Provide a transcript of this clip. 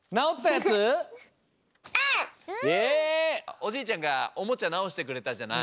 おじいちゃんがおもちゃなおしてくれたじゃない？